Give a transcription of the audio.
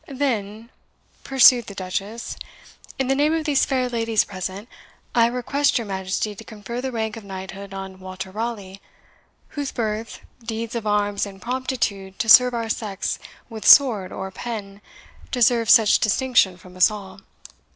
"Then," pursued the Duchess, "in the name of these fair ladies present, I request your Majesty to confer the rank of knighthood on Walter Raleigh, whose birth, deeds of arms, and promptitude to serve our sex with sword or pen, deserve such distinction from us all."